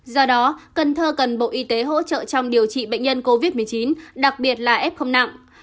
do đó cần thơ cần bộ y tế hỗ trợ trong điều trị bệnh nhân covid một mươi chín đặc biệt là f nặng